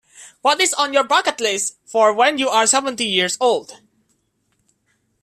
What is on your bucket list for when you are seventy years old?